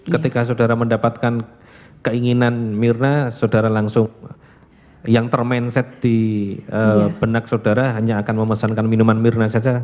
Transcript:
ketika saudara mendapatkan keinginan mirna saudara langsung yang terminset di benak saudara hanya akan memesankan minuman mirna saja